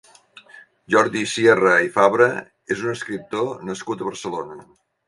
Jordi Sierra i Fabra és un escriptor nascut a Barcelona.